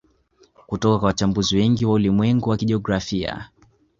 Kutoka kwa wachambuzi wengi wa ulimwengu wa kijiografia